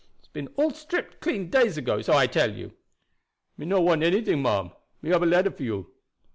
It's been all stripped clean days ago, so I tell you." "Me no want anything, ma'am. Me hab a letter for you."